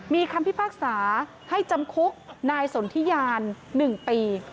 มีคำพิพากษาให้จำคุกนายสนทิยาน๑ปี